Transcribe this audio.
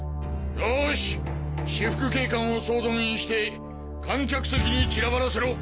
よし私服警官を総動員して観客席に散らばらせろ！